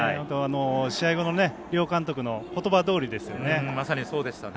試合後の、両監督のことばどおりですよね。